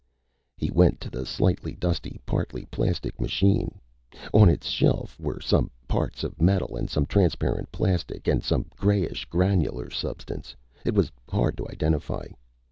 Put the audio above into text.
He went to the slightly dusty, partly plastic machine. On its shelf were some parts of metal, and some of transparent plastic, and some grayish, granular substance it was hard to identify.